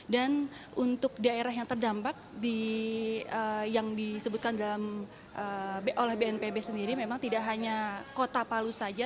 dan untuk daerah yang terdampak yang disebutkan oleh bnpb sendiri memang tidak hanya kota palu saja